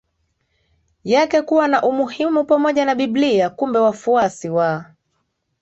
yake kuwa na umuhimu pamoja na Biblia Kumbe wafuasi wa